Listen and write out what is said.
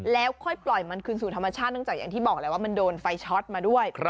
แล้วค่อยปล่อยมันคืนสู่ธรรมชาติเนื่องจากอย่างที่บอกแล้วว่ามันโดนไฟช็อตมาด้วย